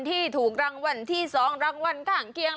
ที่ถูกรางวัลที่๒รางวัลข้างเคียง